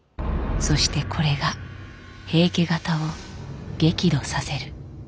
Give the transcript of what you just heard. そしてこれが平家方を激怒させる。